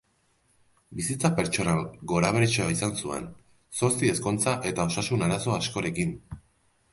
Bizitza pertsonal gorabeheratsua izan zuen, zortzi ezkontza eta osasun arazo askorekin.